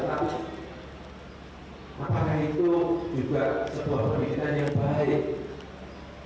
tapi apakah itu juga sebuah pendidikan yang baik